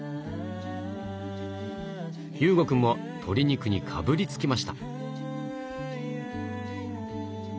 雄悟くんも鶏肉にかぶりつきました。